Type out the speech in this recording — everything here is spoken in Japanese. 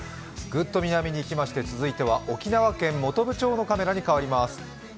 ぐっと南に行きまして、続きまして沖縄県本部町のカメラに変わります。